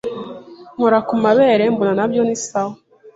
nkora ku mabere mbona nabyo ni sawa